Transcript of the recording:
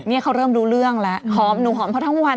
นี่เขาเริ่มรู้เรื่องแล้วหอมหนูหอมเขาทั้งวัน